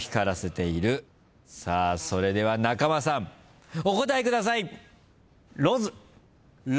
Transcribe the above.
それでは中間さんお答えください。